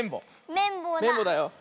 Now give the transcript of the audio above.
めんぼうだよ。